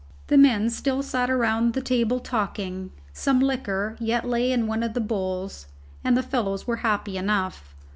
The men still sat around the table talking. Some liquor yet lay in one of the bowls, and the fellows were happy enough.